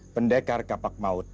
pendekar kapak maut